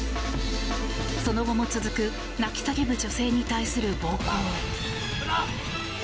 その後も続く泣き叫ぶ女性に対する暴行。